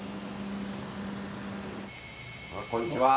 こんにちは。